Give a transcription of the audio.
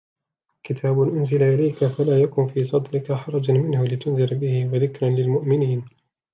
كتاب أنزل إليك فلا يكن في صدرك حرج منه لتنذر به وذكرى للمؤمنين